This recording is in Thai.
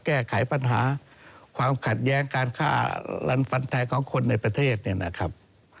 แก้ไขปัญหาความขัดแย้งการฆ่ารันฟันแทงของคนในประเทศเนี่ยนะครับ